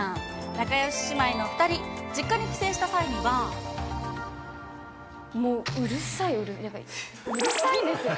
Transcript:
仲よし姉妹の２人、実家に帰省しもううるさい、うるさいんですよ。